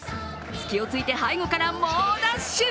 隙を突いて背後から猛ダッシュ。